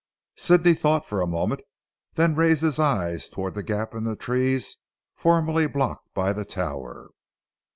Sidney thought for a moment, then raised his eyes towards the gap in the trees formerly blocked by the tower.